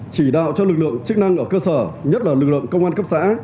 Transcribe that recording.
chỉ đạo cho lực lượng chức năng ở cơ sở nhất là lực lượng công an cấp xã